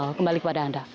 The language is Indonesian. iqbal kembali kepada anda